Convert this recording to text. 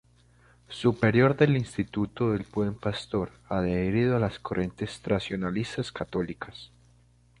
Superior del Instituto del Buen Pastor adherido a las corrientes tradicionalistas católicas.